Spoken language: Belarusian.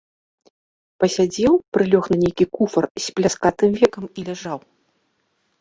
Пасядзеў, прылёг на нейкі куфар з пляскатым векам і ляжаў.